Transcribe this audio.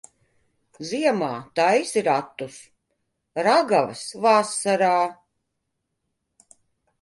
Ziemā taisi ratus, ragavas vasarā.